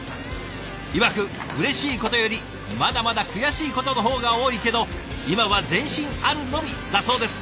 いわくうれしいことよりまだまだ悔しいことの方が多いけど今は前進あるのみだそうです。